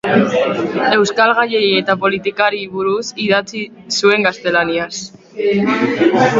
Euskal gaiei eta politikari buruz idatzi zuen gaztelaniaz.